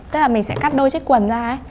tức là mình sẽ cắt đôi chiếc quần ra ấy